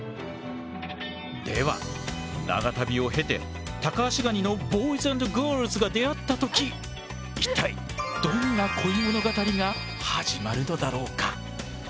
では長旅を経てタカアシガニのボーイズ＆ガールズが出会った時一体どんな恋物語が始まるのだろうか？